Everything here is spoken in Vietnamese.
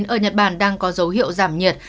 ở nhật bản đang có dấu hiệu giảm nhiệt